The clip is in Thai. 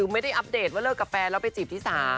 ไม่ได้อัปเดตว่าเลิกกับแฟนแล้วไปจีบที่๓